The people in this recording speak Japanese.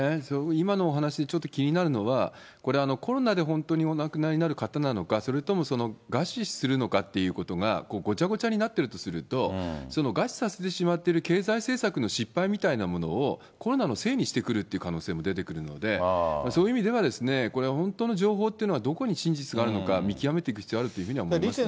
今のお話でちょっと気になるのは、これ、コロナで本当にお亡くなりになる方なのか、それとも餓死するのかっていうことが、ごちゃごちゃになっているとすると、餓死させてしまっている経済政策の失敗みたいなものを、コロナのせいにしてくるっていう可能性も出てくるので、そういう意味では、これ、本当の情報っていうのはどこに真実があるのか、見極めていく必要があるというふうには思いますね。